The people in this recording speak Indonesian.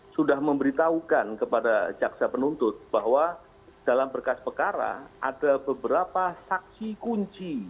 sudah memberitahukan kepada jaksa penuntut bahwa dalam berkas perkara ada beberapa saksi kunci